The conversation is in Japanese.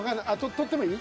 取ってもいい？